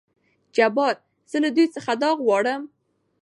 جبار : زه له دوي څخه دا غواړم.